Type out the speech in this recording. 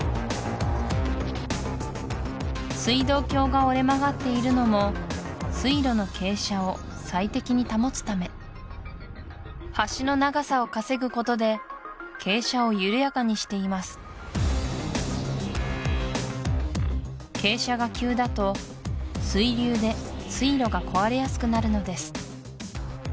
水道橋が折れ曲がっているのも水路の傾斜を最適に保つため橋の長さを稼ぐことで傾斜を緩やかにしています傾斜が急だと水流で水路が壊れやすくなるのです